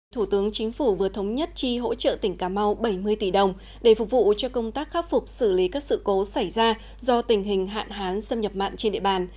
thủ tướng chính phủ vừa thống nhất chi hỗ trợ tỉnh cà mau bảy mươi tỷ đồng để phục vụ cho công tác khắc phục xử lý các sự cố xảy ra do tình hình hạn hán xâm nhập mặn trên địa bàn